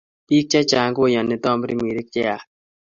Bik che chang koyani tamirmirik cheyach